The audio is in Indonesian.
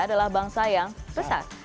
adalah bangsa yang besar